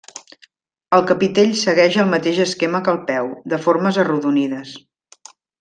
El capitell segueix el mateix esquema que el peu, de formes arrodonides.